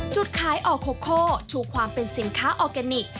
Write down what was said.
จุดขายออโคโคชูความเป็นสินค้าออร์แกนิค